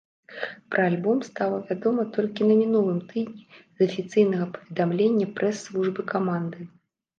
Пра альбом стала вядома толькі на мінулым тыдні з афіцыйнага паведамлення прэс-службы каманды.